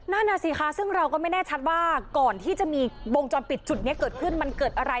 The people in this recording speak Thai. นั่นน่ะสิคะซึ่งเราก็ไม่แน่ชัดว่าก่อนที่จะมีวงจรปิดจุดนี้เกิดขึ้นมันเกิดอะไร